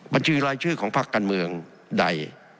บัญชีรายชื่อของภาคการเมืองใด